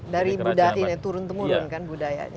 dari budaya turun temurun kan budayanya